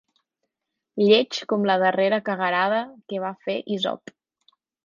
Lleig com la darrera cagarada que va fer Isop.